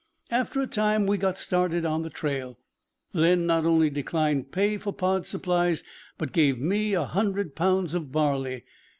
After a time we got started on the trail. Len not only declined pay for Pod's supplies, but gave me a hundred pounds of barley.